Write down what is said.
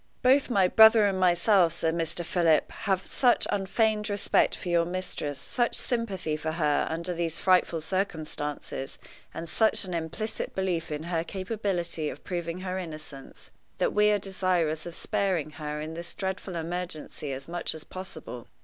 "Both my brother and myself," said Mr. Philip, "have such unfeigned respect for your mistress, such sympathy for her under these frightful circumstances, and such an implicit belief in her capability of proving her innocence, that we are desirous of sparing her in this dreadful emergency as much as possible.